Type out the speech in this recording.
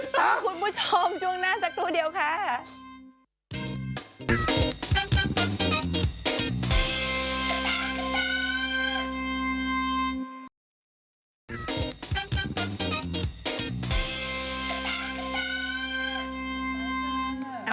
พาคุณผู้ชมช่วงหน้าสักครู่เดียวค่ะ